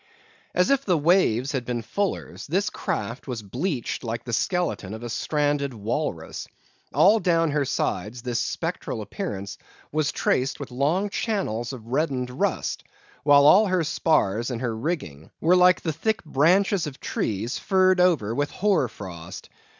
As if the waves had been fullers, this craft was bleached like the skeleton of a stranded walrus. All down her sides, this spectral appearance was traced with long channels of reddened rust, while all her spars and her rigging were like the thick branches of trees furred over with hoar frost.